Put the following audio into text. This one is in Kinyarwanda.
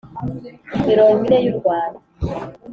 Mirongo ine y u rwanda